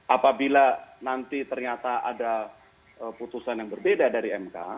apabila nanti ternyata ada putusan yang berbeda dari mk